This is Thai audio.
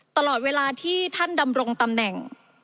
ตลอดเวลาที่ท่านดำรงตำแหน่ง